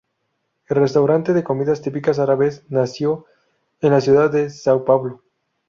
El restaurante de comidas típicas árabes "nació" en la ciudad de São Paulo.